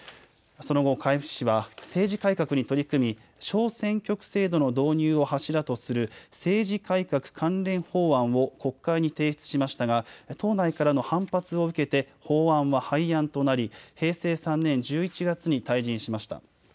その後、海部氏は政治改革に取り組み、小選挙区制度の導入を柱とする政治改革関連法案を国会に提出しましたが党内からの反発を受けて法案は廃案となり平成３年１１月に退陣しました。